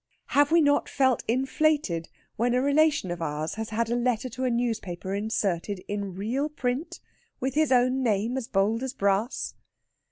Have we not felt inflated when a relation of ours has had a letter to a newspaper inserted, in real print, with his own name as bold as brass?